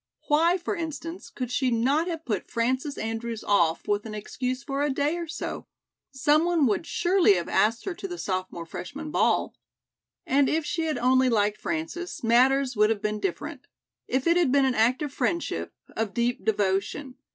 Why, for instance, could she not have put Frances Andrews off with an excuse for a day or so? Some one would surely have asked her to the Sophomore Freshman ball. And if she had only liked Frances, matters would have been different. If it had been an act of friendship, of deep devotion.